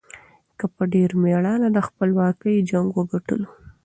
هغه په ډېر مېړانه د خپلواکۍ جنګ وګټلو.